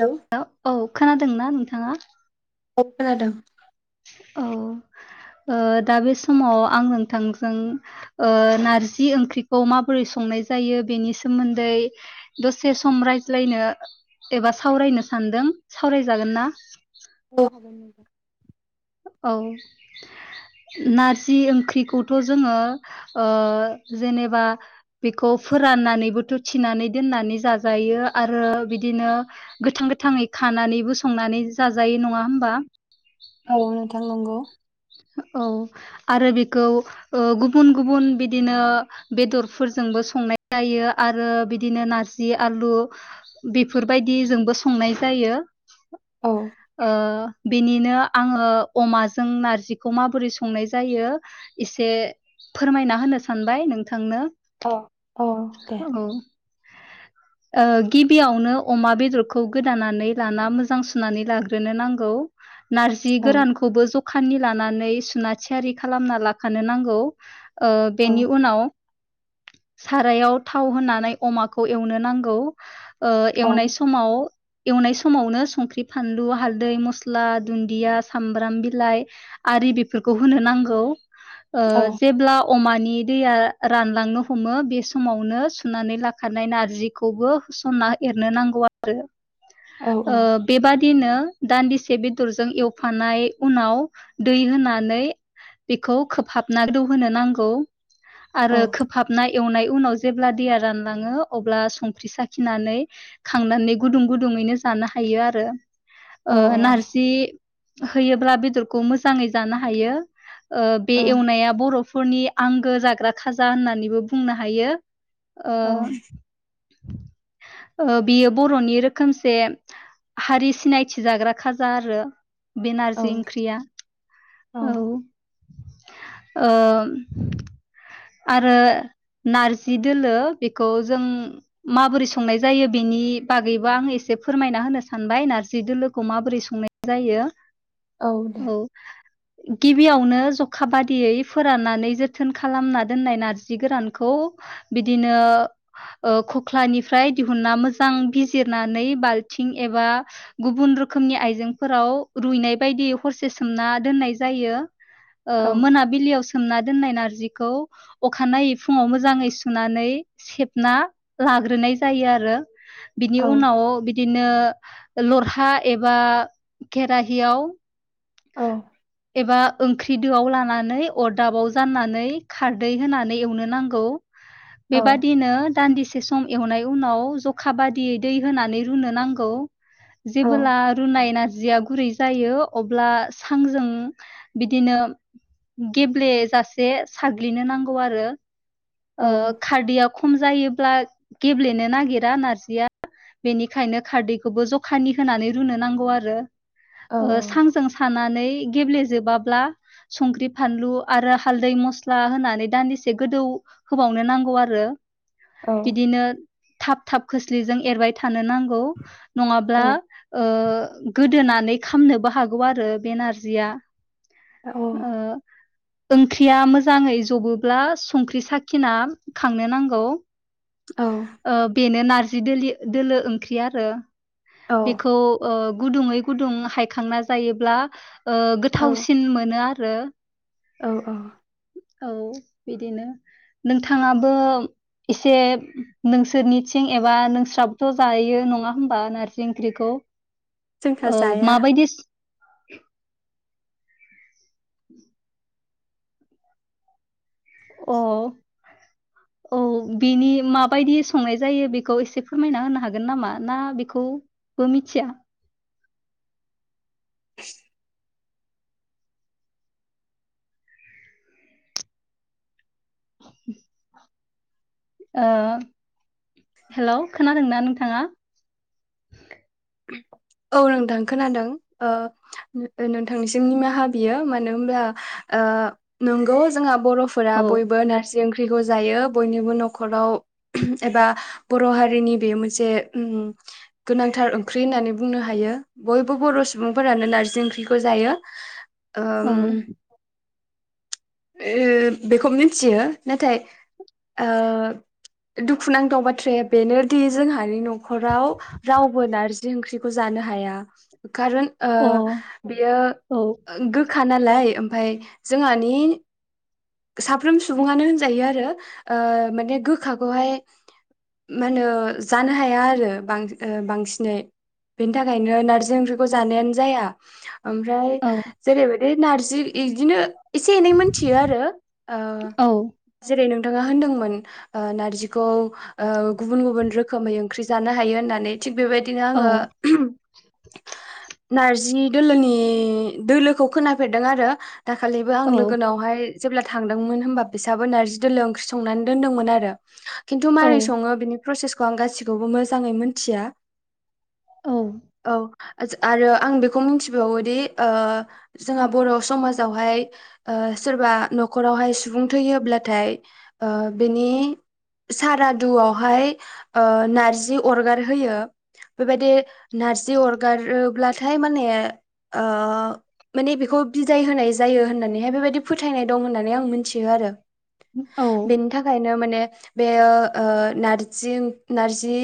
हेल'। Hello औ खोनादोंना नोंथाङा? औ खोनादों। औ ओ दा बे समाव आं नोंथांजों ओ नारजि ओंख्रिखौ माबोरै संनाय जायो बेनि सोमोन्दै दसे सम रायज्लायनो एबा सावरायनो सानदों सावरायजागोन ना? औ। औ। नारजि ओंख्रिखौथ' जोङो ओ जेनेबा बेखौ फोराननानैबोथ' थिनानै दोननानै जाजायो आरो बिदिनो गोथां -गोथाङै खानानैबो संनानै जाजायो नङा होमबा? औ नोंथां नंगौ। औ आरो बेखौ ओ गुबुन गुबुन बिदिनो बेदरफोरजोंबो संनाय जायो आरो बिदिनो नारजि आलु बेफोरबायदि जोंबो संनाय जायो। औ। ओ बिनिनो आङो अमाजों नारजि बेखौ माबोरै संनाय जायो एसे फोरमायना होनो सानबाय नोंथांनो। औ औ दे औ। ओ गिबियावनो अमा बेदरखौ गोदानानै लाना मोजां सुनानै लाग्रोनो नांगौ। नारजि औ गोरानखौबो जखानि लानानै सुना थियारि खालामना लाखानो नांगौ। ओ औ बेनि उनाव सारायाव थाव होनानै अमाखौ एवनो नांगौ ओ औ एवनाय सम समाव एवनाय समावनो संख्रि, फानलु, हालदै, मस्ला, दुन्दिया, सामब्राम बिलाइ आरि बेफोरखौ नांगौ ओ औ जेब्ला अमानि दैया रानलांनो हमो बे समावनो सुनानै लाखानाय नारजि खौबो होसनना एरनो नांगौ आरो औ ओ बेबादिनो दान्दिसे बेदरजों एवफानाय उनाव दै होनानै बेखौ खोबहाबना गोदौहोनो नांगौ औ आरो खोब हाबना एवनाय उनाव जेब्ला दैया रानलाङो अब्ला संख्रि साखिनानै खांनानै गुदुं गुदुङैनो जानो हायो आरो। ओ नारजि होयोब्ला बेदरखौ मोजाङै जानो हायो। ओ बे एवनाया बर'फोरनि आंगो जाग्रा खाजा होननानैबो बुंनो हायो। ओ औ ओ बियो बर'नि रोखोमसे हारि सिनायथि जाग्रा खाजा आरो बे नारजि ओंख्रिया। औ ओ आरो नारजि दोलो बेखौ जों माबोरै संनाय जायो बेनि बागैबो आं एसे फोरमायना होनो सानबाय नारजि दोलोखौ माबोरै संनाय जायो औ। गिबियावनो जखा बादियै फोराननानै जोथोन खालामना दोननाय नारजि गोरानखौ बिदिनो ओ खख्लानिफ्राय दिहुनना मोजां बिजिरनानै बाल्थिं एबा गुबुन रोखोमनि आइजेंफोराव रुइनाय बायदि हरसे सोमना दोननाय जायो। ओ औ मोनाबिलिआव सोमना दोननाय नारजिखौ अखानायै फुङाव मोजाङै सुनानै सेबना लाग्रोनाय जायो आरो बिनि औ उनाव बिदिनो लरहा एबा खेराहियाव औ एबा ओंख्रि दोआव लानानै अरदाबाव जाननानै खारदै होनानै एवनो नांगौ औ बेबादिनो दान्दिसे से सम एवनाय उनाव जखा बादियै दै होनानै रुनो नांगौ। जेबोला रुनाय नारजिया गुरै जायो अब्ला सांजों बिदिनो गेब्लेेजासे साग्लिनो नांगौ आरो औ ओ खारदैया खम जायोब्ला गेब्लेनो नागिरा नारजिया। बेनिखायनो खारदैखौबो जखानि होनानै रुनो नांगौ आरो ओ सांजों सानानै गेब्लेेजोबाब्ला संख्रि फानलु आरो हालदै मस ला होनानै दान्दिसे गोदौ होबावनो नांगौ आरो बिदिनो थाब थाब खोस्लिजों एरबाय थानो नांगौ नङाब्ला ओ गोदोनानै खामनोबो हागौ आरो बे नारजिया औ ओ ओंख्रिया मोज जाङै जबोब्ला संख्रि साखिना खांनो नांगौ। औ। ओ बेनो नारजि दोलि दोलो ओंख्रि आरो बेखौ ओ गुदुङै गुदुं हायखांना जायोब्ला ओ गोथावसिन मोनो आरो। औ औ। औ बिदिनो नोंथाङाबो एसे नोसोरनिथिं एबा नोंस्राबोथ' जायो नङा होमबा नारजि ओंख्रिखौ जोंहा औ जाया माबायदिस अ औ बिनि माबायदि संनाय जायो बेखौ एसे फोरमायना होनो हागोन नामा ना बेखौ बो मिथिया? [inaudible] ओ हेलौ खोनादोंना नोंथाङा? औ नोंथां खोनादों ओ नोंथांनिसिम निमाहा बियो मानो होमब्ला ओ नंगौ जोंहा बर' फोरा औ बयबो नारजि ओंख्रिखौ जायो बयनिबो न'खराव एबा बर' हारिनि बेयो मोनसे उम गोनांथार ओंख्रि होननानै बुंनो हायो बयबो बर' सुबुंफोरानो नारजि ओंख्रिखौ जायो औ ओम ओ बेखौ मिथियो नाथाय ओ दुखुनांथाव बाथ्राया बेनोदि जोंहानि न'खराव रावबो नारजि ओंख्रि खौ जानो हाया खारन ओ अ औ बेयो गोख खा नालाय ओमफाय जोंहानि साफ्रोम सुबुङानो होनजायो आरो ओ माने गोखाखौहाय मा होनो जानो हाया आरो बां ओ बांसिनै बेनि थाखायनो नार्जि ओंख्रिखौ जानायानो जाया ओमफ्राय औ जेरैबायाददि नारजि इदिनो एसे एनै मोनथियो आरो ओ औ जेरै नोंथाङा होनदोंमोन ओ नारजिखौ ओ गुबुन गुबुन रोखोमै ओंख्रि जानो हायो होननानै थिग बेबायदिनो आङो [inaudible] नारजि दोलोनि दोलोखौ खोनाफेरदों आरो दाखालिबो आं औ लोगोनावहाय जेब्ला थांदोंमोन होमबा बिसाबो नारजि दोलो ओंख्रि संनानै दोन्दोंमोन आरो खिन्थु मारै सङो बिनि प्रसेसखौ आं गासिखौबो मोजाङै मोनथिया औ औ आरो आं बेखौ मिथिबावोदि ओ जोंहा बर' समाजावहाय ओ सोरबा न'खरावहाय सुबुं थैयोब्लाथाय ओ बेनि सारादुआवहाय ओ नारजि अरगार होयो बेबायदि नारजि अरगारोब्लाथाय माने ओ माने बेखौ बिदाय होनाय जायो होननानैहाय बेबायदि फोथायनाय दं होननानै आं मिनथियो आरो औ बेनि थाखायनो माने बेयो ओ नारजि [unintelligible] नारजि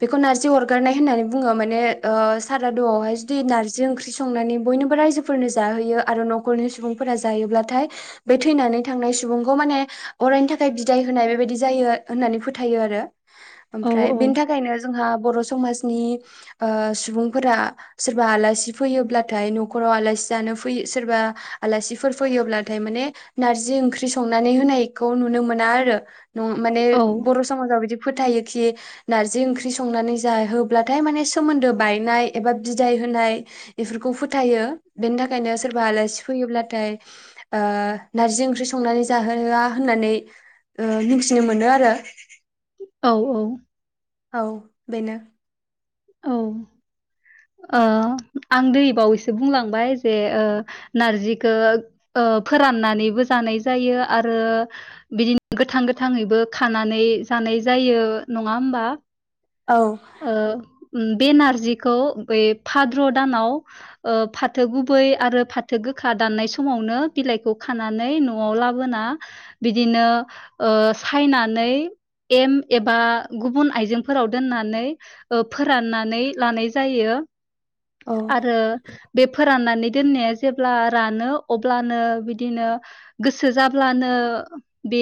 बेखौ नारजि अरगारनाय होननानै बुङो माने ओ सारादुआवहाय जुदि नारजि ओंख्रि संनानै बयनोबो रायजो फोरनो जाहोयो आरो न'खरनि सुबुंफोरा जायोब्लाथाय बे थैनानै थांनाय सुबुंखौ माने अरायनि थाखाय बिदाय होनाय बेबायदि जायो होननानै फोथायो आरो औ ओमफ्राय बेनि थाखायनो जोंहा बर' समाजनि ओ सुबुंफोरा सोरबा आलासि फैयोब्लाथाय न'खराव आलासि जानो फै सोरबा आलासिफोर फैयोब्लाथाय माने नारजि ओंख्रि संनानै होनायखौ नुनो मोना आरो। नं माने बर' समाजाव बिदि फोथायोखि नारजि ओंख्रि संनानै जाहोब ब्लाथाय माने सोमोन्दो बायनाय एबा बिदाय होनाय इफोरखौ फोथायो बेनि थाखायनो सोरबा आलासि फैयोब्लाथाय ओ नारजि ओंख्रि संनानै जाहोआ होननानै ओ मिथिनो मोनो आरो। औऔ औ बेनो। औ ओ आं दै बावैसो बुंलांबाय जे ओ नारजिखौ ओ फोराननानैबो जानाय जायो आरो बिदिनो गोथां गोथाङैबो खानानै जानाय जायो नङा होमबा? औ ओ बे नारजिखौ बै फाद्र' दानाव ओ फाथो गुबै आरो फाथो गोखा दाननाय समावनो बिलाइखौ खानानै न न'आव लाबोना बिदिनो ओ सायनानै एम एबा गुबुन आइजेंफोराव दोनना नै ओ फोराननानै लानाय जायो। औ आरो बे फोराननानै दोननाया जेब्ला रानो अब्लानो बिदिनो गोसो जाब्लानो बे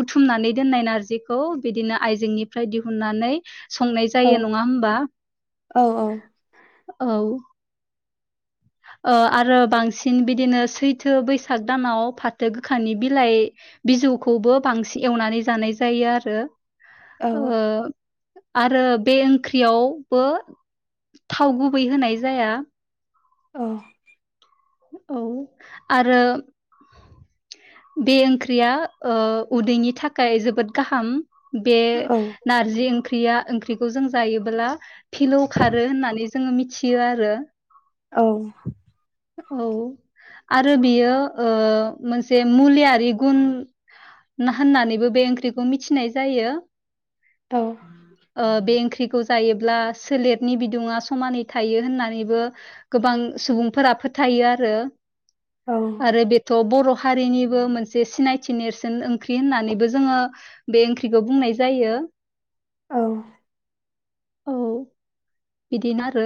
बुथुमनानै दोननाय नारजिखौ बिदिनो आयजेंनिफ्राय दिहुननानै संनाय औ जायो नङा होमबा? औ औ ओ आरो बांसिन बिदिनो सैथो बैसाग दानाव फाथो गोखानि बिलाइ बिजौखौबो बांसिन एवनानै जानाय जायो आरो औ ओ आरो बे ओंख्रियावबो थाव गुबै होनाय जाया। ओ औ आरो बे ओंख्रिया ओ उदैनि थाखाय जोबोद गाहाम बे औ नारजि ओंख्रिया ओंख्रिखौ जों जायोबोला फिलौ खारो होननानै जोङो मिथियो आरो। औ औ आरो बियो ओ मोनसे मुलियारि गुन ना होननानैबो बे ओंख्रिखौ मिथिनाय जायो। औ ओ बे ओंख्रिखौ जायोब्ला सोलेरनि बिदुङा समानै थायो होननानैबो गोबां सुबुंफोरा फोथायो आरो। औ आरो बेथ' बर' हारिनिबो मोनसे सिनायथि नेरसोन ओंख्रि होननानैबो जोङो बे ओंख्रिखौ बुंनाय जायो। औ औ बिदिनो आरो।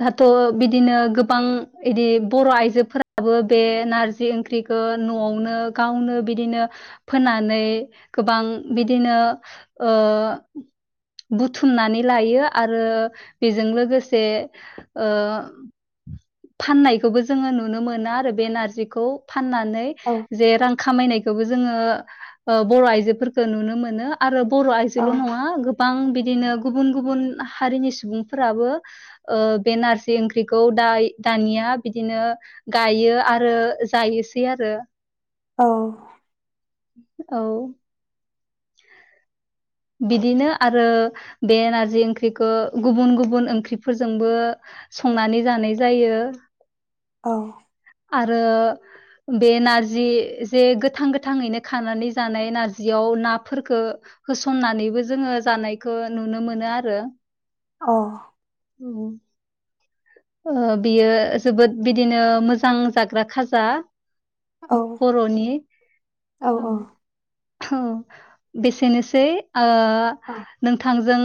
दाथ' बिदिनो गोबां ओइदि बर' आइजोफोराबो बे नारजि ओंख्रि खो न'आवनो गावनो बिदिनो फोनानै गोबां बिदिनो ओ बुथुमनानै लायो आरो बेजों लोगोसे ओ फाननायखौबो जोङो नुनो मोना आरो बे नारजिखौ फाननानै जे रां खामायनायखौबो जोङो ओ बर' आइजोफोरखौ नुनो मोनो आरो बर' आइजोल' नङा गोब बां बिदिनो गुबुन गुबुन हारिनि सुबुंफोराबो ओ बे नारजि ओंख्रिखौ दा दानिया बिदिनो गायो आरो जायोसै आरो। औ औ बिदिनो आरो बे नारजि ओंख्रिखौ गुबुन गुबुन ओंख्रिफोरजोंबो संनानै जानाय जायो। औ आरो बे नारजि जे गोथां गोथाङैनो खानानै जानाय नारजियाव नाफोरखो होसननानैबो जोङो जानायखौ नुनो मोनो आरो। अह उम ओ बियो जोबोद बिदिनो मोजां जाग्रा खाजा औ बर'नि औ औ बेसेनोसै ओ नोंथांजों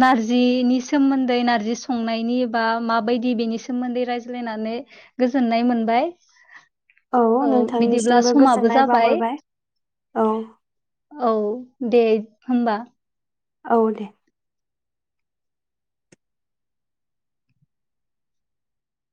नारजिनि सोमोन्दै नारजि संनायनि बा माबायदि बेनि सोमोन्दै रायज्लायनानै गोजोननाय मोनबाय। औ बिदिब्ला नोंथांनिसिमबो समाबो गोजोननाय जाबाय। बावहरबाय औ औ दे होनबा। औ दे